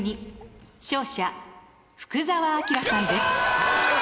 勝者福澤朗さんです。